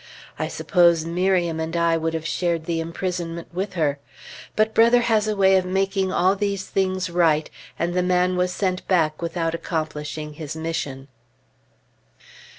I suppose Miriam and I would have shared the imprisonment with her. But Brother has a way of making all these things right; and the man was sent back without accomplishing his mission.